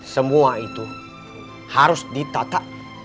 semua itu harus ditata